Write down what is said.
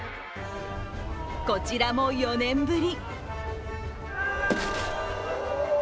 こちらも４年ぶり。